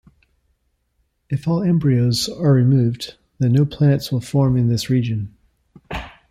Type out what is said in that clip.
If all embryos are removed, then no planets will form in this region.